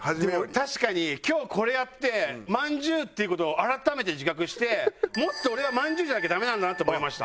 確かに今日これやってまんじゅうっていう事を改めて自覚してもっと俺はまんじゅうじゃなきゃダメなんだなって思いました。